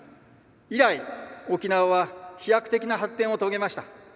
以来、沖縄は飛躍的な発展を遂げました。